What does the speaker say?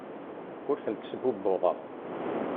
Ur tent-sbubbuḍeɣ.